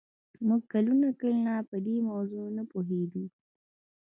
موږ کلونه کلونه په دې موضوع نه پوهېدو